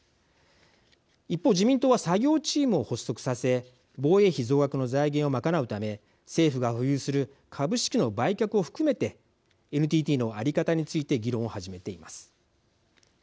一方自民党は作業チームを発足させ防衛費増額の財源を賄うため政府が保有する株式の売却を含めてＮＴＴのあり方について議論を始めています。